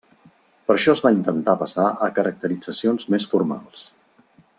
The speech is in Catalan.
Per això es va intentar passar a caracteritzacions més formals.